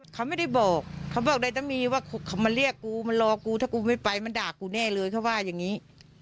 เขาไม่ได้บอกเขาบอกได้ถ้ามีว่าเขามาเรียกกูมันรอกูถ้ากูไม่ไปมันด่ากูแน่เลยเขาว่าอย่างนี้